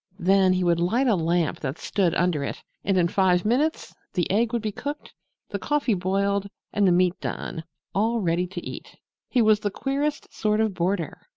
Then he would light a lamp that stood under it, and in five minutes the egg would be cooked, the coffee boiled and the meat done all ready to eat. He was the queerest sort of boarder!